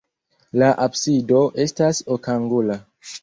La absido estas okangula.